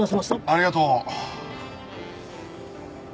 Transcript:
ありがとう。